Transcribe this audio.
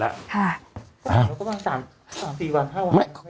เหรอว่าสามสี่วันห้าวัน